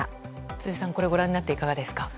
辻さん、これをご覧になっていかがですか。